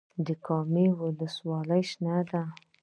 د کامې ولسوالۍ شنه ده